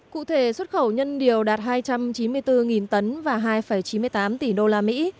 cụ thể xuất khẩu nhân điều đạt hai trăm chín mươi bốn tấn đô la mỹ